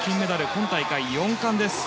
今大会、４冠です。